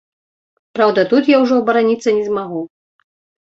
Праўда, тут я ўжо абараніцца не змагу.